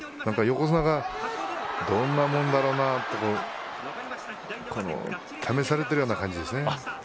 横綱がどんなもんだろうなと試されているような感じですね。